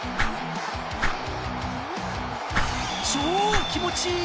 超気持ちいい！